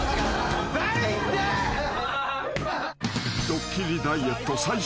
［ドッキリダイエット最終日］